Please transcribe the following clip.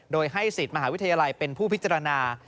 โดยให้สิทธิ์มหาวิทยาลัยเป็นผู้พิจารณา